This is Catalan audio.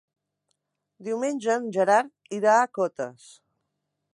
Diumenge en Gerard irà a Cotes.